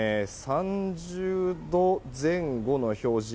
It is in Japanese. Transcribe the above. ３０度前後の表示。